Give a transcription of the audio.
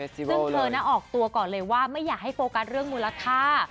ซึ่งเธอออกตัวก่อนเลยว่าไม่อยากให้โฟกัสเรื่องมูลค่า